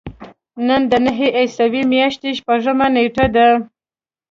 نن د نهمې عیسوي میاشتې شپږمه نېټه ده.